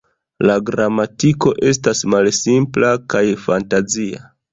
La gramatiko estas malsimpla kaj fantazia.